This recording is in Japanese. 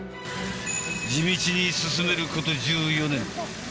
地道に進めること１４年。